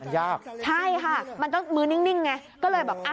ยากใช่ค่ะมันต้องมือนิ่งไงก็เลยแบบอ่ะ